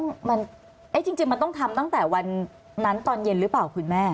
จริงมันต้องทำตั้งแต่วันนั้นตอนเย็นหรือเปล่าคุณแม่